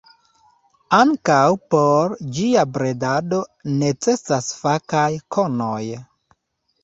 Ankaŭ por ĝia bredado necesas fakaj konoj.